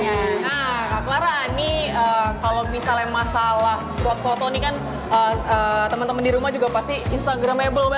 nah kak clara ini kalau misalnya masalah spot foto ini kan teman teman di rumah juga pasti instagramable